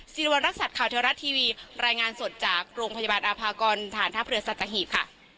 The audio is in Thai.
สิรวรรณรักษัตริย์ข่าวเทวรัตน์ทีวีรายงานสดจากโรงพยาบาลอภากรฐานท่าเพลือสัตว์อาหิตค่ะ